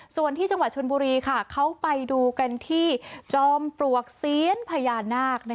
ส่วนที่จังหวัดชนบุรีเขาไปดูกันที่จอมปลวกเซียนพญานาค